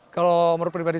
kalau menurut pribadi